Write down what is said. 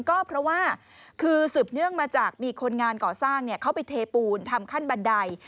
ก็เพราะว่าคือสืบเนื่องมาจากมีคนงานก่อสร้างเขาไปเทปูนทำขั้นบันได